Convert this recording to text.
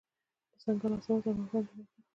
دځنګل حاصلات د افغانستان د طبیعت برخه ده.